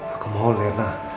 aku mau rena